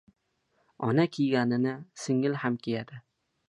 • Ona kiyganini singil ham kiyadi.